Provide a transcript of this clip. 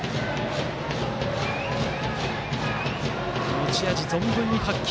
持ち味を存分に発揮